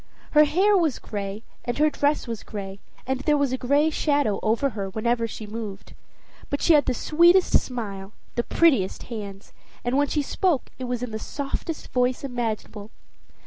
Her hair was gray, and her dress was gray, and there was a gray shadow over her wherever she moved. But she had the sweetest smile, the prettiest hands, and when she spoke it was in the softest voice imaginable.